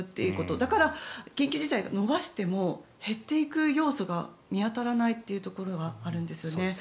だから、緊急事態を延ばしても減っていく要素が見当たらないというところがあるんですよね。